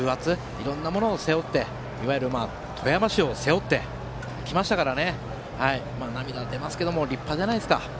いろんなものを背負って富山市を背負ってきましたからね涙は出ますが立派じゃないですか。